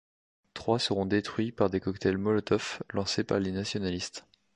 Trois seront détruits par des cockstails molotov lancés par les nationalistes.